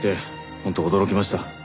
本当驚きました。